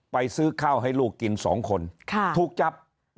ซื้อข้าวให้ลูกกิน๒คนถูกจับ